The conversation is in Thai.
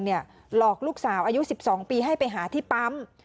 หลอกลูกสาวอายุ๑๒ปีให้ไปหาที่ปั๊ม